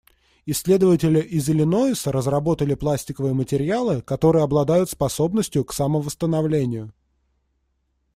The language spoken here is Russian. Исследователи из Иллинойса разработали пластиковые материалы, которые обладают способностью к самовосстановлению.